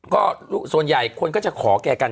ก็ส่วนใหญ่คนก็จะขอแกกัน